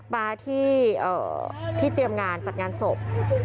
มาที่เตรียมงานจัดงานศพ